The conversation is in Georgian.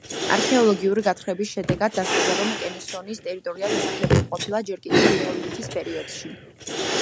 არქეოლოგიური გათხრების შედეგად დასტურდება, რომ კესონის ტერიტორია დასახლებული ყოფილა ჯერ კიდევ ნეოლითის პერიოდში.